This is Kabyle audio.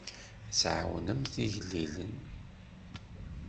Ad tɛawnemt igellilen.